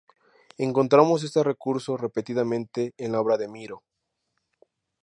Encontramos este recurso repetidamente en la obra de Miró.